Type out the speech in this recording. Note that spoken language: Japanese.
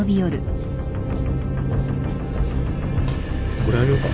これあげようか？